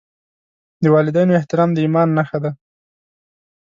د والدینو احترام د ایمان نښه ده.